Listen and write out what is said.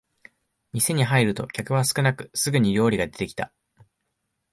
店に入ると客は少なくすぐに料理が出てきた